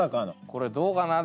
これどうかな？